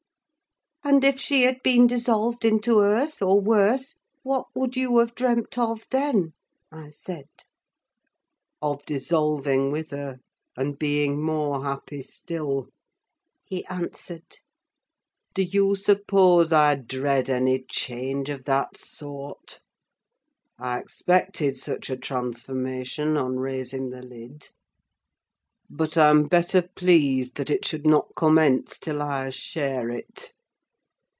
"And if she had been dissolved into earth, or worse, what would you have dreamt of then?" I said. "Of dissolving with her, and being more happy still!" he answered. "Do you suppose I dread any change of that sort? I expected such a transformation on raising the lid, but I'm better pleased that it should not commence till I share it.